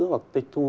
hoặc tịch thu